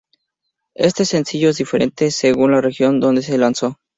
Este sencillo es diferente según la región donde se lanzó.